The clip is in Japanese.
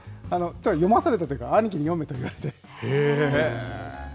読まされたというか、兄きに読めと言われて。